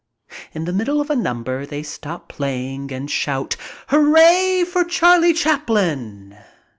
In the middle of a number they stop playing and shout : "Hooray for Charlie Chaplin!"